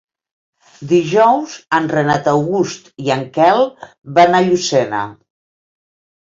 Dijous en Renat August i en Quel van a Llucena.